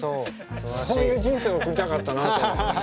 そういう人生を送りたかったなと思った今。